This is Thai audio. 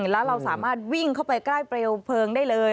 แล้วเราสามารถวิ่งเข้าไปใกล้เปลวเพลิงได้เลย